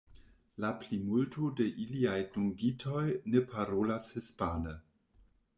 La plimulto de iliaj dungitoj ne parolas hispane.